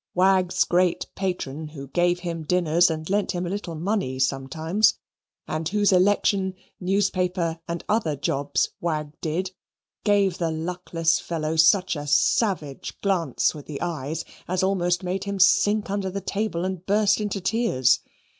Wagg's great patron, who gave him dinners and lent him a little money sometimes, and whose election, newspaper, and other jobs Wagg did, gave the luckless fellow such a savage glance with the eyes as almost made him sink under the table and burst into tears.